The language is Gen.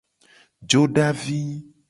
Jodavi.